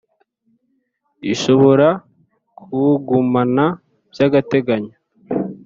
ishobora kuwugumana by agateganyo